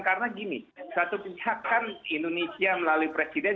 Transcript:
karena gini satu pihak kan indonesia melalui presiden